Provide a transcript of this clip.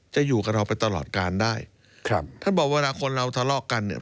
จะอยู่กับเราไปตลอดการได้ครับท่านบอกเวลาคนเราทะเลาะกันเนี่ย